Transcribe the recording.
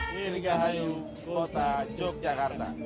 ketiga hari kota yogyakarta